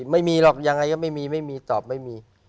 ไม่มีหรอกยังไงก็ไม่มีไม่มีตอบไม่มี